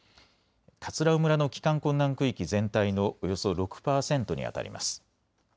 葛尾村の帰還困難区域全体のおよそ６％にあたります。